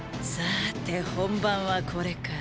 ーて本番はこれから。